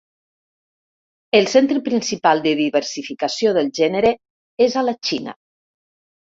El centre principal de diversificació del gènere és a la Xina.